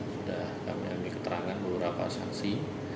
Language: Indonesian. sudah kami ambil keterangan beberapa saksi